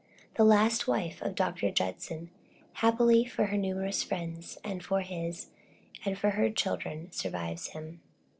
The last wife of Dr. Judson, happily for her numerous friends and for his and her children, survives him.